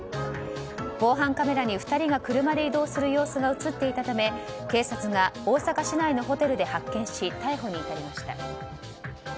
防犯カメラに２人が車で移動する様子が映っていたため、警察が大阪市内のホテルで発見し逮捕に至りました。